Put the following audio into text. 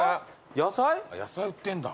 野菜売ってんだ。